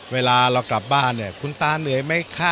เวลาเรากลับบ้านเนี่ยคุณตาเหนื่อยไหมคะ